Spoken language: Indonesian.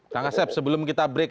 kang asep sebelum kita break